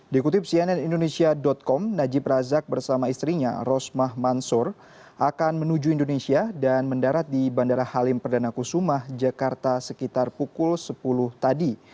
dikutip cnn indonesia com najib razak bersama istrinya rosmah mansur akan menuju indonesia dan mendarat di bandara halim perdana kusumah jakarta sekitar pukul sepuluh tadi